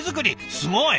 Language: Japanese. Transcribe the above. すごい！